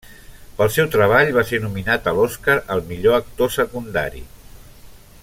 Pel seu treball va ser nominat a l'Oscar al millor actor secundari.